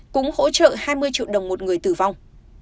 cũng hỗ trợ hai mươi triệu đồng một người tử vong